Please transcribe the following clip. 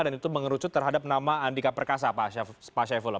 dan itu mengerucut terhadap nama andika perkasa pak syafullah